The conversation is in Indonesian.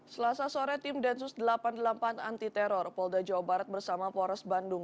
selasa sore tim densus delapan puluh delapan anti teror polda jawa barat bersama polres bandung